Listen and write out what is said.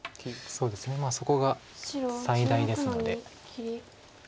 そうですねそこが最大ですので。